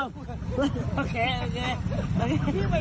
นี่ไปไหนเนี่ย